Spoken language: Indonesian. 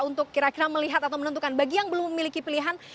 untuk kira kira melihat atau menentukan bagi yang belum memiliki pilihan